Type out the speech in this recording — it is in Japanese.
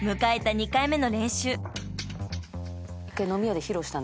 ２回目の練習］